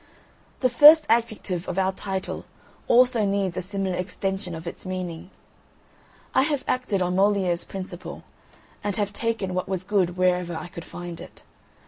The first adjective of our title also needs a similar extension of its meaning. I have acted on Molière's principle, and have taken what was good wherever I could find it.